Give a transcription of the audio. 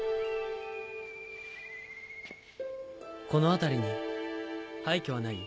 この辺りに廃虚はない？